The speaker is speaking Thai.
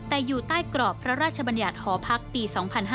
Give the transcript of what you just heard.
แต่อยู่ใต้กรอบพระราชบัญญัติหอพักปี๒๕๕๙